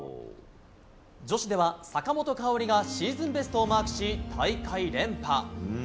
女子では、坂本花織がシーズンベストをマークし大会連覇。